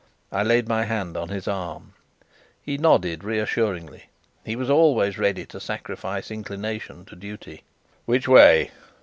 I laid my hand on his arm. He nodded reassuringly: he was always ready to sacrifice inclination to duty. "Which way?"